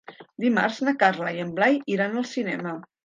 Dimarts na Carla i en Blai iran al cinema.